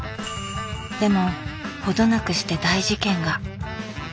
でもほどなくして大事件が。